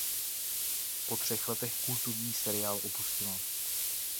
Po třech letech kultovní seriál opustila.